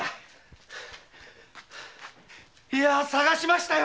いや捜しましたよ。